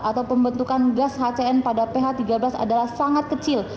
atau pembentukan gas hcn pada ph tiga belas adalah sangat kecil